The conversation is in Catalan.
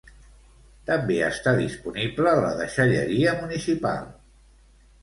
També està disponible la Deixalleria Municipal